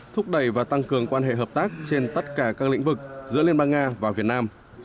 thúc đẩy và tăng cường quan hệ hợp tác trên tất cả các lĩnh vực giữa liên bang nga và việt nam